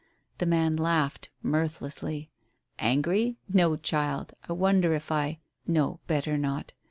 The man laughed mirthlessly. "Angry? No, child. I wonder if I no, better not.